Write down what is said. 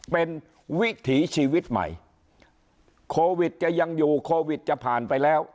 เป็นวิถีชีวิตใหม่โควิดจะยังอยู่โควิดจะผ่านไปแล้ว